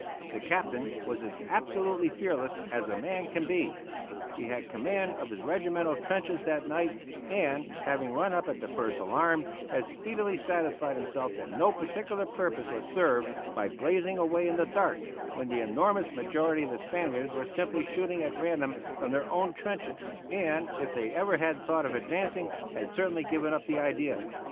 The Captain was as absolutely fearless as a man can be. He had command of his regimental trenches that night, and, having run up at the first alarm, had speedily satisfied himself that no particular purpose was served by blazing away in the dark, when the enormous majority of the Spaniards were simply shooting at random from their own trenches, and, if they ever had thought of advancing, had certainly given up the idea.